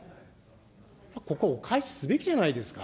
ここはお返しすべきじゃないですか。